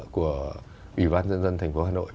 của ủy ban dân dân thành phố hà nội